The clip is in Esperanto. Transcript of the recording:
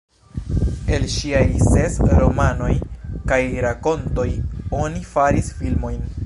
El ŝiaj ses romanoj kaj rakontoj oni faris filmojn.